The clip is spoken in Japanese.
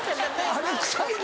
「あれ臭いな」